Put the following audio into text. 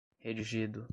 redigido